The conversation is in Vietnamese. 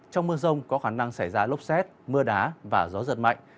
trong mưa rông có khả năng xảy ra lốc xét mưa đá và gió giật mạnh